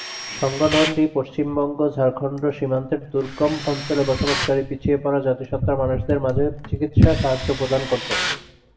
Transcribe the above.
সংগঠনটি পশ্চিমবঙ্গ-ঝাড়খণ্ড সীমান্তের দুর্গম অঞ্চলে বসবাসকারী পিছিয়ে পড়া জাতিসত্তার মানুষদের মাঝে চিকিৎসা সাহায্য প্রদান করত।